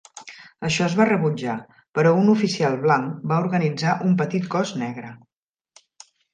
Això es va rebutjar, però un oficial blanc va organitzar un petit cos negre.